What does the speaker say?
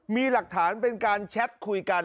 มีหลักฐานเป็นการแชทคุยกัน